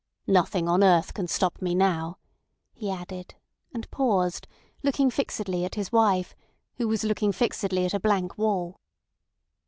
"Nothing on earth can stop me now," he added, and paused, looking fixedly at his wife, who was looking fixedly at a blank wall.